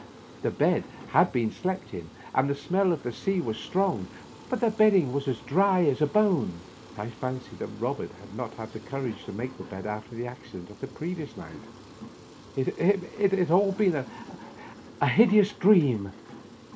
The bed had been slept in, and the smell of the sea was strong; but the bed ding was as dry as a bone. I fancied that Robert had not had the courage to make the bed. after the acci dent of the previous night — ^it had all been a hideous dream.